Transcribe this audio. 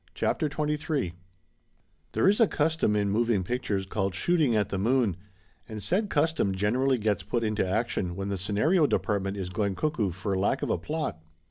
CHAPTER XXIII ' I A HERE is a custom in moving pictures called shooting at the moon, and said custom generally gets put into action when the scenario department is going cuckoo for lack of a plot.